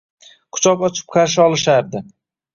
Quchoq ochib qarshi olishlardi.